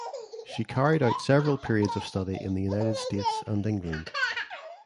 She carried out several periods of study in the United States and England.